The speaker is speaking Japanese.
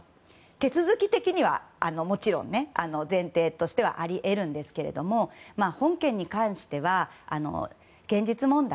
手続き的にはやはり前提としてあり得るんですけれども本件に関しては現実問題